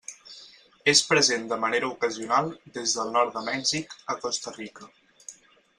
És present de manera ocasional des del nord de Mèxic a Costa Rica.